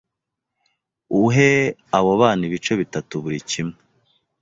Uhe abo bana ibice bitatu buri kimwe.